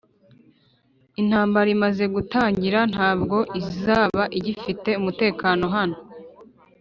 intambara imaze gutangira, ntabwo izaba ifite umutekano hano.